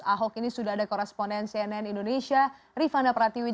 ahok ini sudah ada koresponen cnn indonesia rifana pratiwi